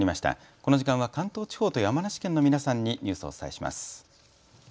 この時間は関東地方と山梨県の皆さんにニュースをお伝えします。